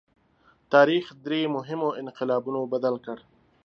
تاریخ درې مهمو انقلابونو بدل کړ.